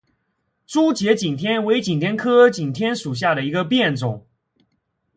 珠节景天为景天科景天属下的一个变种。